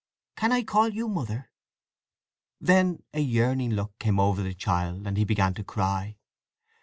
Can I call you Mother?" Then a yearning look came over the child and he began to cry.